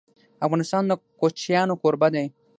افغانستان د کوچیانو کوربه دی..